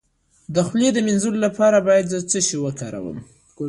د خولې د مینځلو لپاره باید څه شی وکاروم؟